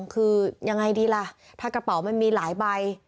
คือยังไงดีล่ะถ้ากระเป๋ามันมีหลายใบ